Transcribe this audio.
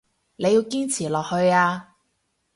你要堅持落去啊